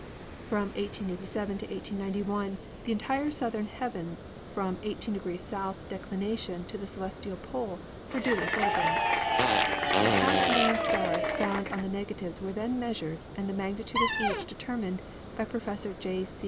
From 1887 to 1891 the entire southern heavens from 1 8° south declination to the celestial pole were duly photographed. The half million stars found on the negatives were then measured and the magnitude of each determined by Professor J.